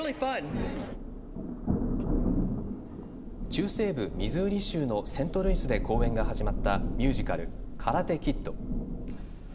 中西部ミズーリ州のセントルイスで公演が始まったミュージカル、カラテ・キッド。